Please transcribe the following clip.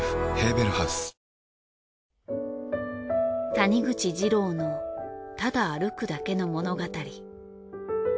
谷口ジローのただ歩くだけの物語。